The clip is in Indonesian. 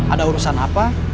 ada urusan apa